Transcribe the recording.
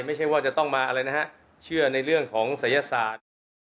ไม่ใช่ว่าจะต้องมาอะไรนะฮะเชื่อในเรื่องของศัยศาสตร์